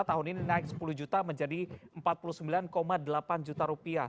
tahun ini naik sepuluh juta menjadi empat puluh sembilan delapan juta rupiah